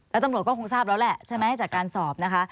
แล้วตำรวจก็คงทราบแล้วแหละใช่ไหมจากการสอบนะคะ